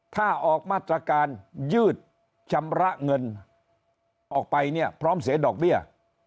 ถ้าออกมาตรการยืดชำระเงินออกไปเนี่ยพร้อมเสียดอกเบี้ย